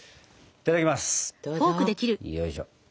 いただきます。